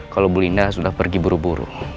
kalau bu linda sudah pergi buru buru